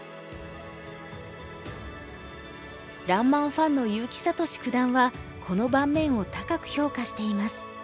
ファンの結城聡九段はこの盤面を高く評価しています。